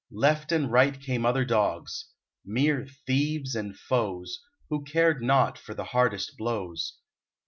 Left and right Came other dogs, mere thieves and foes, Who cared not for the hardest blows.